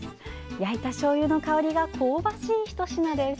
焼いたしょうゆの香りが香ばしいひと品です。